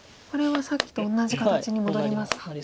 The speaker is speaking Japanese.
これはさっきと同じ形に戻りますか。